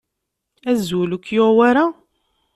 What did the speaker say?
Azul, ur k-yuɣ wara?